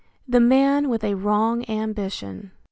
THE MAN WITH A WRONG AMBITION.